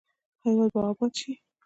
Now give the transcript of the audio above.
هیواد به اباد شي؟